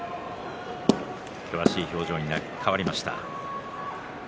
険しい表情に変わりました。